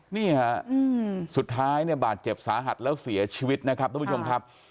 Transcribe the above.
นี่ฮะสุดท้ายเนี่ยบาดเจ็บสาหัสแล้วเสียชีวิตนะครับทุกผู้ชมครับ